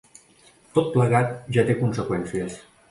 Tot plegat ja té conseqüències.